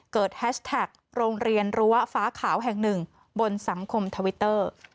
แฮชแท็กโรงเรียนรั้วฟ้าขาวแห่งหนึ่งบนสังคมทวิตเตอร์